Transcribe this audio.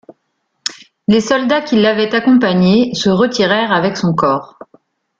Les soldats qui l'avaient accompagné se retirèrent avec son corps.